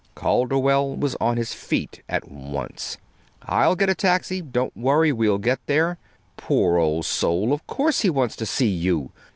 Calderwell was on his feet at once. "I'll get a taxi. Don't worry we'll get there. Poor old soul of course he wants to see you!